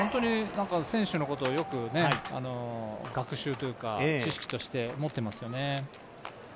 選手のことをよく学習というか、知識として持っていますよね。